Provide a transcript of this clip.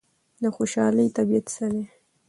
د خوشحالۍ طبیعت څه دی؟